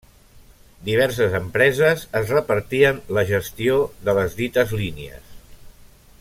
Diverses empreses es repartien la gestió de les dites línies.